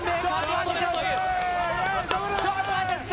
ちょっと待てって！